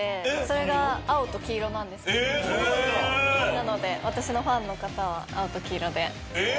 なので私のファンの方は青と黄色で。